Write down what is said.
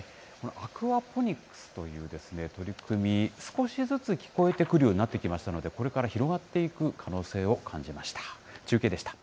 アクアポニックスという取り組み、少しずつ聞こえてくるようになってきましたので、これから広がっていく可能性を感じました。